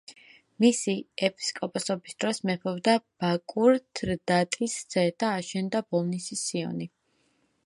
მისი ეპისკოპოსობის დროს მეფობდა ბაკურ თრდატის ძე და აშენდა ბოლნისის სიონი.